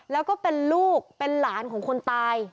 แล้วก็เป็นลูกเป็นหลานของคนตาย